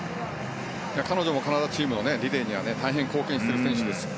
彼女もカナダチームのリレーには大変貢献している選手です。